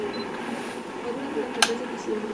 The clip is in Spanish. Maduran durante el mes de diciembre.